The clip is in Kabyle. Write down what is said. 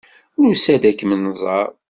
Nusa-d ad kem-nẓer.